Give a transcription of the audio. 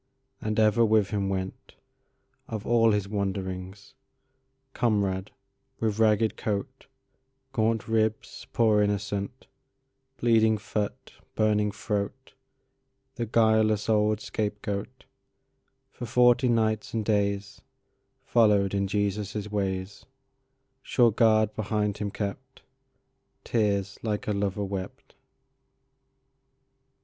And ever with Him went, Of all His wanderingsComrade, with ragged coat, Gaunt ribs—poor innocent—Bleeding foot, burning throat, The guileless old scapegoat; For forty nights and daysFollowed in Jesus' ways, Sure guard behind Him kept, Tears like a lover wept.